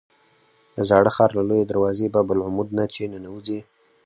د زاړه ښار له لویې دروازې باب العمود نه چې ننوځې.